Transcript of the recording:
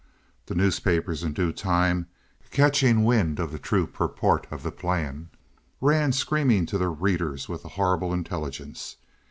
The newspapers, in due time, catching wind of the true purport of the plan, ran screaming to their readers with the horrible intelligence.